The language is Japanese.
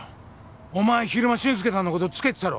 お前昼間俊介さんのことつけてたろ？